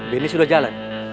benis udah jalan